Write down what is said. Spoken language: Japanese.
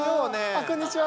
こんにちは。